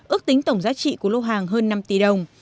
ước tính tổng giá trị của lô hàng hơn năm tỷ đồng